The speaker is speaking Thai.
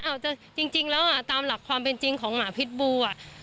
จริงแล้วอ่ะตามหลักความเป็นจริงของหมาพิษบูอ่ะ